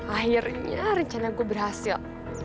akhirnya rencana gue berhasil